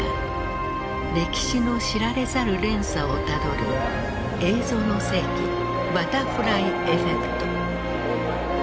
歴史の知られざる連鎖をたどる「映像の世紀バタフライエフェクト」。